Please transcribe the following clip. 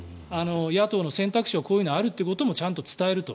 野党の選択肢をこういうのがあるということをちゃんと伝えると。